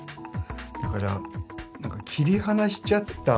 だから切り離しちゃった